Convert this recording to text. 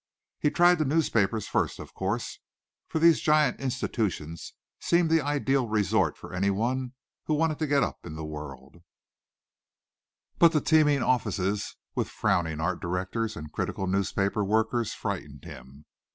He tried the newspapers first of course, for those great institutions seemed the ideal resort for anyone who wanted to get up in the world, but the teeming offices with frowning art directors and critical newspaper workers frightened him.